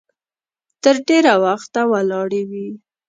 تر ډېره وخته ولاړې وي.